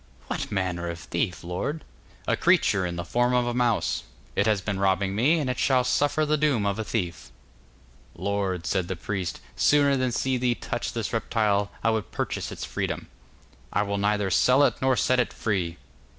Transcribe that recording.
'What manner of thief, lord?' 'A creature in the form of a mouse. It has been robbing me, and it shall suffer the doom of a thief.' 'Lord,' said the priest, 'sooner than see thee touch this reptile, I would purchase its freedom.' 'I will neither sell it nor set it free.